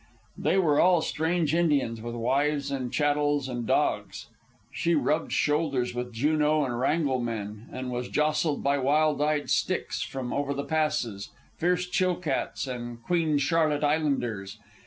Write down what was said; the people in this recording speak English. They were all strange Indians, with wives and chattels and dogs. She rubbed shoulders with Juneau and Wrangel men, and was jostled by wild eyed Sticks from over the Passes, fierce Chilcats, and Queen Charlotte Islanders.